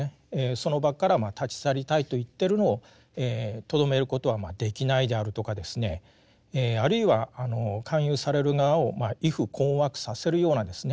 その場から立ち去りたいと言ってるのをとどめることはできないであるとかですねあるいは勧誘される側を畏怖困惑させるようなですね